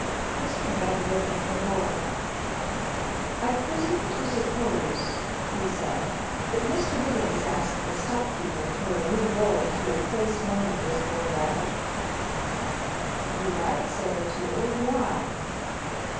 Mr. Gubb looked at the bulb. "I presume to suppose," he said, "that Mr. Wiggins asked the stock keeper for a new bulb to replace one that was burned out?" "You're right," said O'Toole. "Why?"